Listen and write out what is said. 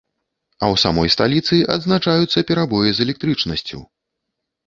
А ў самой сталіцы адзначаюцца перабоі з электрычнасцю.